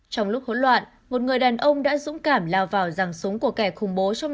trong lúc hỗn loạn một người đàn ông đã dũng cảm lao vào rằng súng của kẻ khủng bố trong năm